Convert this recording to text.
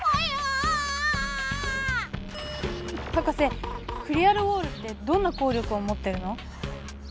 博士クリアルウォールってどんな効力をもってるの？